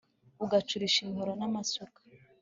ugacurisha imihoro n'amasuka